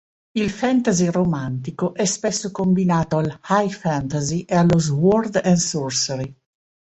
Il fantasy romantico è spesso combinato all'high fantasy e allo sword and sorcery.